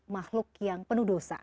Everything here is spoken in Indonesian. makhluk yang penuh dosa